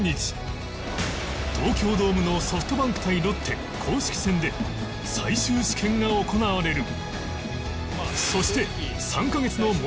東京ドームのソフトバンク対ロッテ公式戦で最終試験が行われる